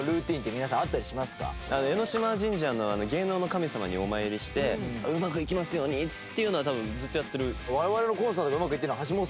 江島神社の芸能の神様にお参りしてうまくいきますようにっていうのは多分ずっとやってる。